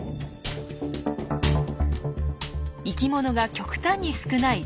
生きものが極端に少ない超深海。